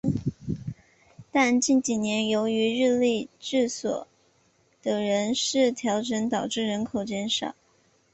但近几年由于日立制作所的人事调整导致人口减少。